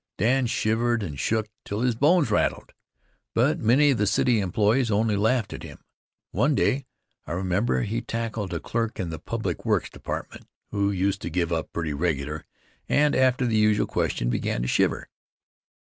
Dan shivered and shook till his bones rattled, but many of the city employees only laughed at him. One day, I remember, he tackled a clerk in the Public Works Department, who used to give up pretty regular, and, after the usual question, began to shiver.